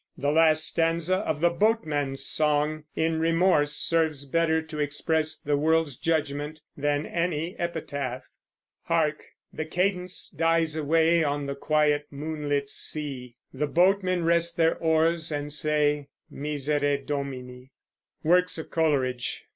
The last stanza of the boatman's song, in Remorse, serves better to express the world's judgment than any epitaph: Hark! the cadence dies away On the quiet moon lit sea; The boatmen rest their oars and say, Miserere Domini! WORKS OF COLERIDGE.